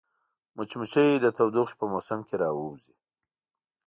مچمچۍ د تودوخې په موسم کې راووځي